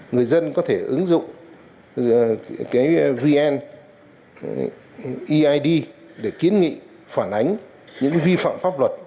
người dân có thể ứng dụng vn eid để kiến nghị phản ánh những vi phạm pháp luật